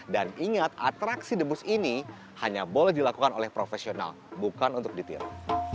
dan ingat atraksi debus ini hanya boleh dilakukan oleh profesional bukan untuk ditiru